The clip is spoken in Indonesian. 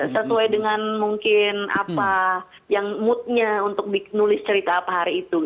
sesuai dengan mungkin apa yang moodnya untuk nulis cerita apa hari itu